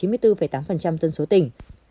tiêm mũi hai đạt chín mươi bốn tám dân số tỉnh